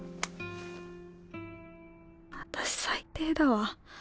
私最低だわ。